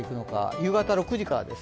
夕方６時からです。